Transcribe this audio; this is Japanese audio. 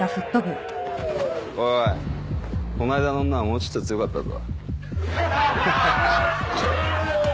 おいこの間の女はもうちょっと強かったぞ？